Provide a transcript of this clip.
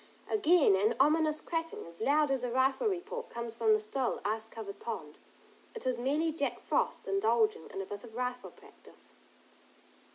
Again an ominous cracking, as loud as a rifle report comes from the still ice covered pond. It is merely Jack Frost indulging in a bit of rifle practice.